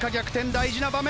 大事な場面。